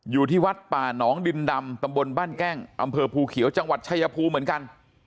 อยู่ที่วัดป่านองดินดำตำบลบ้านแก้งอำเภอภูเขียวจังหวัดชายภูมิเหมือนกัน